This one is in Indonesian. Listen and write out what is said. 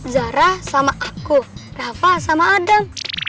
zara sama aku rafa sama adam